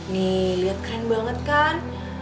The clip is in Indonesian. nih lihat keren banget kan